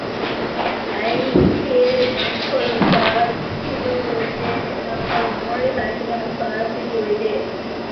އަދި އެ މަސްކޮޅު ފާސިދު ވެއްޖެ ނަމަ މުޅި ހަށިގަނޑު ފާސިދު ވެދޭ